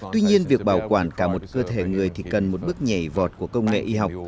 tuy nhiên việc bảo quản cả một cơ thể người thì cần một bước nhảy vọt của công nghệ y học